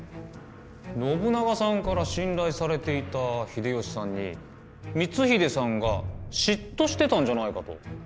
信長さんから信頼されていた秀吉さんに光秀さんが嫉妬してたんじゃないかと？